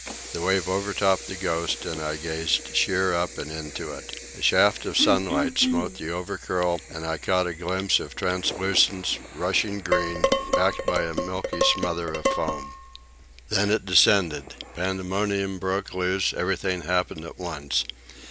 The wave over topped the Ghost, and I gazed sheer up and into it. A shaft of sunlight smote the over curl, and I caught a glimpse of translucent, rushing green, backed by a milky smother of foam. Then it descended, pandemonium broke loose, everything happened at once.